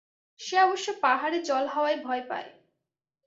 সে অবশ্য পাহাড়ে জলহাওয়ায় ভয় পায়।